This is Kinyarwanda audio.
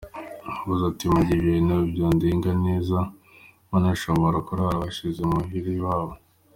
Yavuze ati:" Mu gihe ibintu vyogenda neza, banashobora kurara bashitse mu hira iwabo.